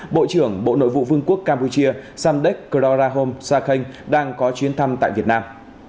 bộ trưởng bộ nội vụ vương quốc campuchia sandek klorahom sakhen đang có chuyến thăm tại việt nam